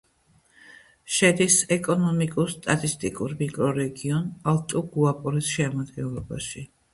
შედის ეკონომიკურ-სტატისტიკურ მიკრორეგიონ ალტუ-გუაპორეს შემადგენლობაში.